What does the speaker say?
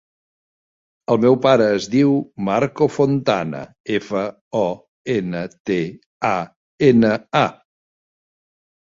El meu pare es diu Marco Fontana: efa, o, ena, te, a, ena, a.